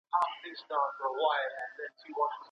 ایا کورني سوداګر شین ممیز صادروي؟